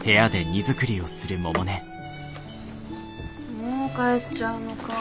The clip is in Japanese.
もう帰っちゃうのかぁ。